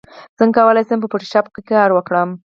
څنګه کولی شم په فوټوشاپ کار وکړم